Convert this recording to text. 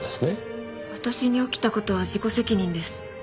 私に起きた事は自己責任です。